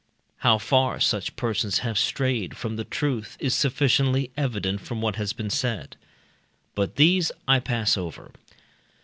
How far such persons have strayed from the truth is sufficiently evident from what has been said. But these I pass over.